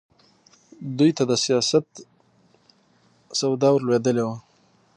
دوی د سیاست سودا ورلوېدلې وه.